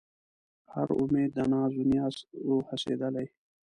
هر اُمید د ناز و نیاز و هستېدلی